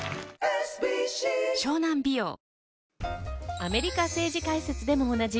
アメリカ政治解説でもおなじみ